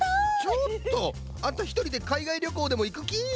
ちょっとあんたひとりでかいがいりょこうでもいくき？